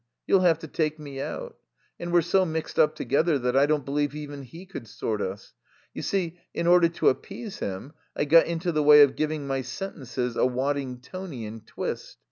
You'll have to take me out. And we're so mixed up together that I don't believe even he could sort us. You see, in order to appease him, I got into the way of giving my sentences a Waddingtonian twist.